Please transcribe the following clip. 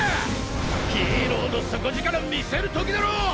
ヒーローの底力見せる時だろ！！